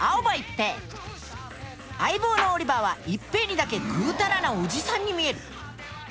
相棒のオリバーは一平にだけぐうたらなおじさんに見える。